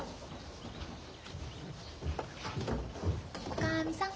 おかみさん。